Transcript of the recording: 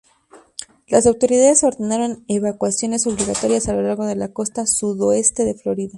Las autoridades ordenaron evacuaciones obligatorias a lo largo de la costa sudoeste de Florida.